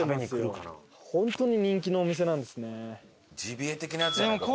本当に人気のお店なんですね。